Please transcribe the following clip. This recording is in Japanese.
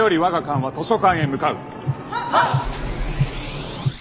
はっ！